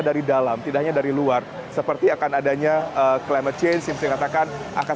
dari dalam tidak hanya dari luar seperti akan adanya climate change yang bisa dikatakan akan